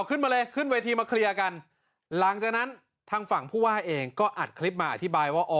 ขึ้นมาเลยขึ้นเวทีมาเคลียร์กันหลังจากนั้นทางฝั่งผู้ว่าเองก็อัดคลิปมาอธิบายว่าอ๋อ